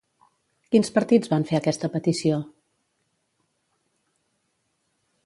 Quins partits van fer aquesta petició?